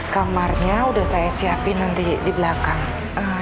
kamarnya udah saya siapin nanti di belakang